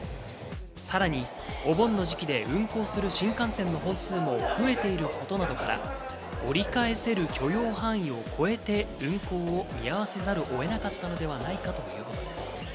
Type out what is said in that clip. さらにお盆の時期で運行する新幹線の本数も増えていることなどから、折り返せる許容範囲を超えて運行を見合わせざるを得なかったのではないかということです。